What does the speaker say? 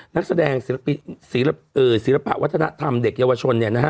นักแสดงศิลปะวัฒนธรรมเด็กเยาวชน